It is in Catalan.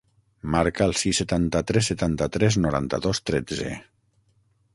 Marca el sis, setanta-tres, setanta-tres, noranta-dos, tretze.